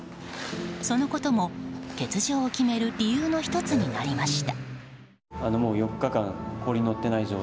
そのことも欠場を決める理由の１つになりました。